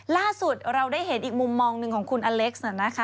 ล่าสุดเราได้เห็นอีกมุมมองหนึ่งของคุณอเล็กซ์นะคะ